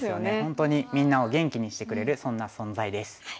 本当にみんなを元気にしてくれるそんな存在です。